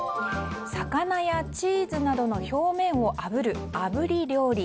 魚やチーズなどの表面をあぶるあぶり料理。